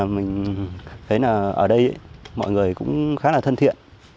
mình thấy là ở đây mọi người cũng khá là thân thiện